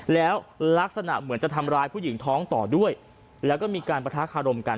แล้วลักษณะเหมือนจะทำร้ายผู้หญิงท้องต่อด้วยแล้วก็มีการประทะคารมกัน